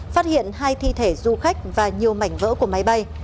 phát hiện hai thi thể du khách và nhiều mảnh vỡ của máy bay